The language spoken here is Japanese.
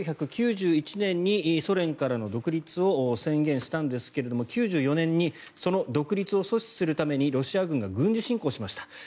１９９１年にソ連からの独立を宣言したんですが９４年に独立を阻止するためにロシア軍が軍事侵攻しました。